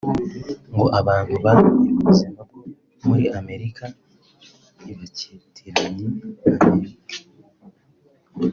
ngo abantu bamenye ubuzima bwo muri Amerika ntibakitiranye Amerika